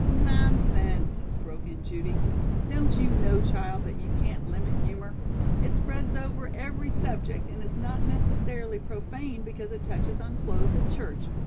"Nonsense," broke in Judy, "don't you know, child, that you can't limit humor? It spreads over every subject and it's not necessarily profane because it touches on clothes at church.